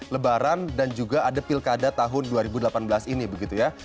lebaran dan juga ada pilkada tahun dua ribu delapan belas ini begitu ya